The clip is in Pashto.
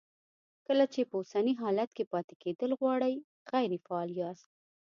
کله چې په اوسني حالت کې پاتې کېدل غواړئ غیر فعال یاست.